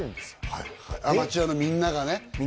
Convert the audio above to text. はいはいアマチュアのみんながね